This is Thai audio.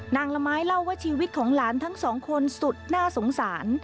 ละไม้เล่าว่าชีวิตของหลานทั้งสองคนสุดน่าสงสาร